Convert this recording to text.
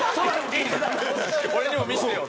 俺にも見せてよ。